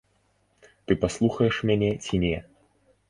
Ты паслухаеш мяне ці не?